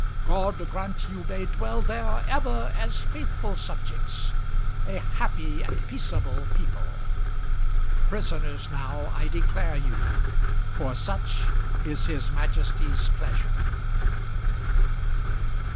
God grant you may dwell there Ever as faithful subjects, a happy and peaceable people! Prisoners now I declare you; for such is his Majesty's pleasure!"